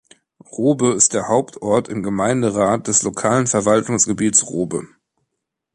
Robe ist der Hauptort im Gemeinderat des lokalen Verwaltungsgebiets Robe.